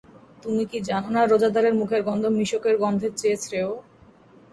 তুমি কি জান না, রোযাদারের মুখের গন্ধ মিশকের গন্ধের চেয়ে শ্রেয়?